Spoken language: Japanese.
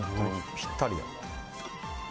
ぴったりだ。